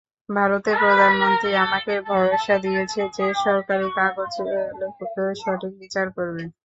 ভারতের প্রধানমন্ত্রী আমাকে ভরসা দিয়েছে যে সরকারি কাগজ লেখকের সঠিক বিচার করবে।